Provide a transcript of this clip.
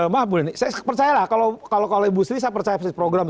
maaf bu leni saya percayalah kalau ibu sri saya percaya program